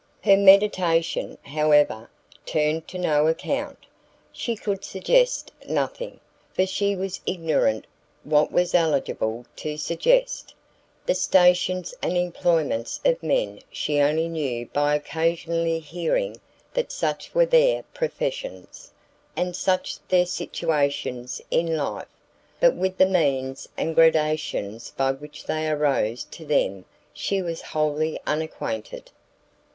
Her meditation, however, turned to no account; she could suggest nothing, for she was ignorant what was eligible to suggest. The stations and employments of men she only knew by occasionally hearing that such were their professions, and such their situations in life; but with the means and gradations by which they arose to them she was wholly unacquainted.